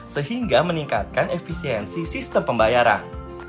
sehingga meningkatkan efisiensi sistem pembayaran